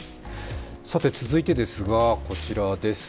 続いてですが、こちらです。